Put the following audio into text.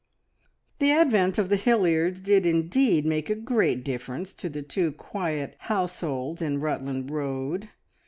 The advent of the Hilliards did indeed make a great difference to the two quiet households in Rutland Road.